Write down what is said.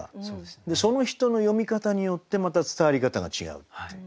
その人の読み方によってまた伝わり方が違うっていう。